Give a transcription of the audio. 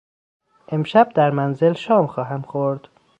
امشب در منزل شام خواهم خورد.